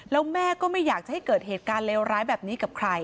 แล้วแม่ก็ไม่อยากจะให้เกิดเหตุการณ์เลวร้ายแบบนี้กับใคร